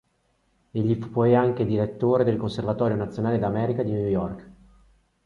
Egli fu poi anche direttore del Conservatorio nazionale d'America di New York.